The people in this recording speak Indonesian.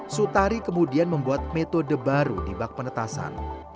sutari kemudian membuat metode baru di bak penetasan